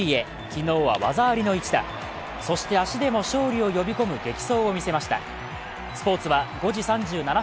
昨日は技ありの一打、そして足でも勝利を呼び込む激走を見せました。